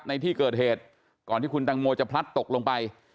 ในที่เกิดเหตุก่อนที่คุณตังโมจะพลัดตกลงไป